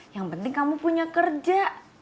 yang penting kamu punya kerja